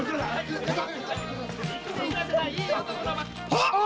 あっ！